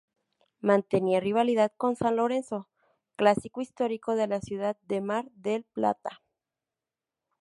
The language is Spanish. Mantenía rivalidad con San Lorenzo, clásico histórico de la ciudad de Mar del Plata.